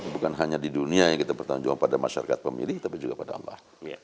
bukan hanya di dunia yang kita bertanggung jawab pada masyarakat pemilih tapi juga pada allah